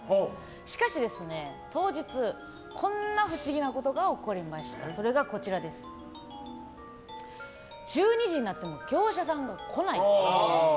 しかし当日こんな不思議なことが起こりました１２時になっても業者さんが来ない。